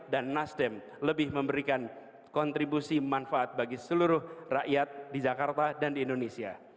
dan nasdem lebih memberikan kontribusi manfaat bagi seluruh rakyat di jakarta dan di indonesia